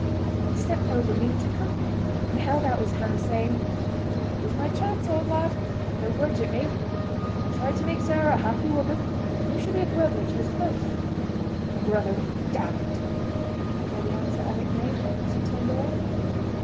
He stepped over meaning to comfort him, and held out his hand, saying: "It was my chance, old lad. Don't grudge it me. I'll try to make Sarah a happy woman, and you shall be a brother to us both!" "Brother be damned!" was all the answer Eric made, as he turned away.